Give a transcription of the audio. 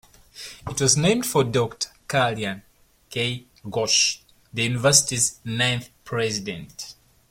It was named for Doctor Kalyan K. Ghosh, the university's ninth president.